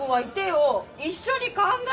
一緒に考えてよ。